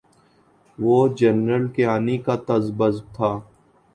تو وہ جنرل کیانی کا تذبذب تھا۔